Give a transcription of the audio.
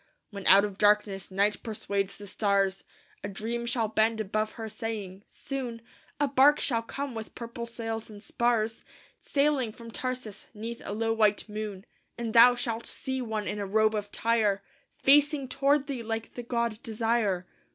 When out of darkness night persuades the stars, A dream shall bend above her saying, "Soon A barque shall come with purple sails and spars, Sailing from Tarsus 'neath a low white moon; And thou shalt see one in a robe of Tyre Facing toward thee like the god Desire.